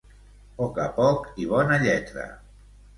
Poc a poc i bona lletra.